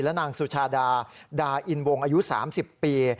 นางสุชาดาดาอินวงอายุ๓๐ปี